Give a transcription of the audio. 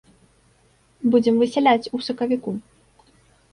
Будзем высяляць у сакавіку.